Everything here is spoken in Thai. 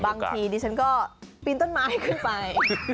บางทีดิฉันก็ปีนต้นไม้ขึ้นไป